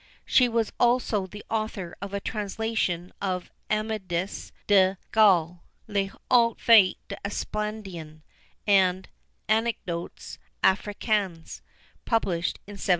She was also the author of a translation of Amadis des Gaules, Les Hauts Faits d'Esplandian, and Anecdotes Africaines, published in 1752.